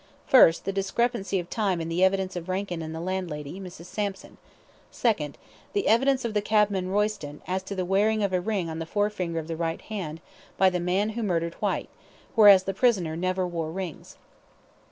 First: the discrepancy of time in the evidence of Rankin and the landlady, Mrs. Sampson. Second: the evidence of the cabman Royston, as to the wearing of a ring on the forefinger of the right hand by the man who murdered Whyte, whereas the prisoner never wore rings.